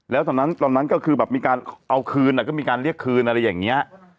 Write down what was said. แล้วตอนนั้นตอนนั้นก็คือแบบมีการเอาคืนก็มีการเรียกคืนอะไรอย่างนี้